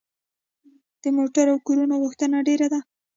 د موټرو او کورونو غوښتنه ډیره ده.